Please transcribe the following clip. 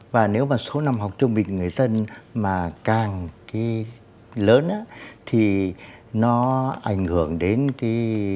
và nếu mà số năm học trung bình của người dân mà càng lớn thì nó ảnh hưởng đến cái